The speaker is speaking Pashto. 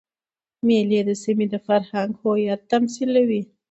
مېلې د سیمي د فرهنګ هویت تمثیلوي.